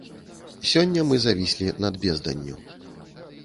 Сёння мы завіслі над безданню.